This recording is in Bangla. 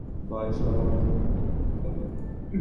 এখন থেকে তা হলে যে আমাকে এই বয়সে ভালোমানুষ হতে শিখতে হবে।